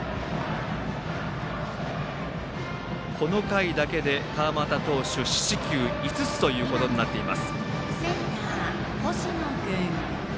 この回だけで川又投手四死球５つということになっています。